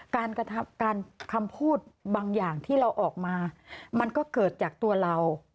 การกระทำการคำพูดบางอย่างที่เราออกมามันก็เกิดจากตัวเรา